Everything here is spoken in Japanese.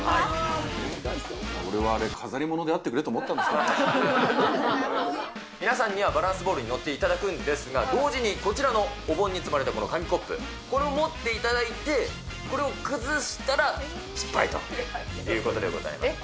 これはあれ、飾り物であって皆さんにはバランスボールに乗っていただくんですが、同時にこちらのお盆に積まれたこの紙コップ、これを持っていただいて、これを崩したら失敗ということでございます。